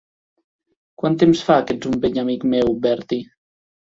Quant temps fa que ets un vell amic meu, Bertie?